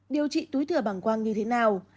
điều trị túi thừa bằng quang như thế nào